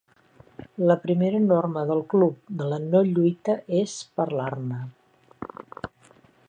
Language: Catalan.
La primera norma del club de la no-lluita és parlar-ne.